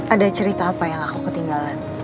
ada cerita apa yang aku ketinggalan